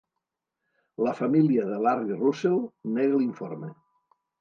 La família de Larry Russell nega l'informe.